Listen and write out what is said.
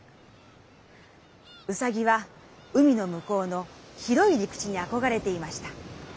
うさぎは海のむこうの広いりく地にあこがれていました。